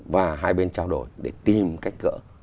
và hai bên trao đổi để tìm cách cỡ